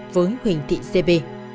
với huyền thị gb